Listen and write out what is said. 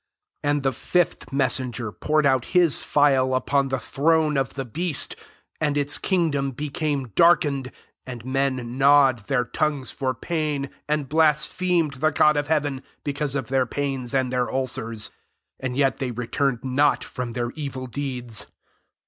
10 And the fifth meaaenger poured out his phial upon the throne of the beast: and its kingdom became darkened : and men gnawed their tongues for pain; 11 and blasphemed the God of heaven, because of their pains and their ulcers; and yet they returned not from their evil deeds.